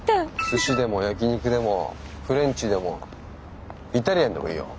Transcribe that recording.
すしでも焼き肉でもフレンチでもイタリアンでもいいよ。